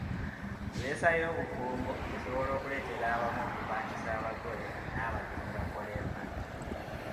Puleesa y'obufumbo esobola okuleetera abantu abamu okupangisa abagole n'abagenyi bakole embaga.